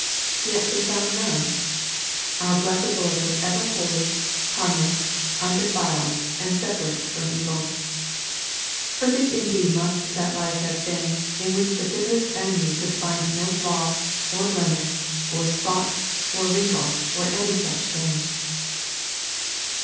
Yet they found none. Our blessed Lord was ever holy, harmless, undefiled, and separate from evil Perfect indeed must that life have been, in which the bitterest enemy could find no flaw, or blemish, or spot, or wrinkle, or any such thing